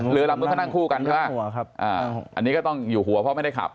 เรือลำนู้นก็นั่งคู่กันใช่ปะครับอ่าอันนี้ก็ต้องอยู่หัวเพราะไม่ได้ขับ